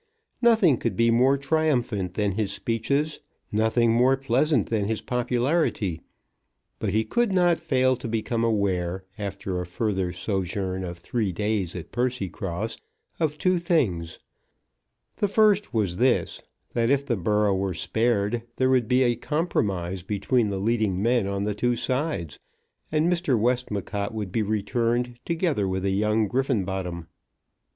Nothing could be more triumphant than his speeches, nothing more pleasant than his popularity; but he could not fail to become aware, after a further sojourn of three days at Percycross, of two things. The first was this, that if the borough were spared there would be a compromise between the leading men on the two sides, and Mr. Westmacott would be returned together with a young Griffenbottom.